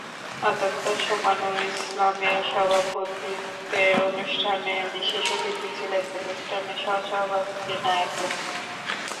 অধ্যক্ষ সোপানুল ইসলামের সভাপতিত্বেঅনুষ্ঠানে বিশেষ অতিথি ছিলেন প্রতিষ্ঠানের সহসভাপতি নায়ার কবির।